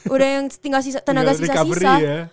udah yang tinggal tenaga sisa sisa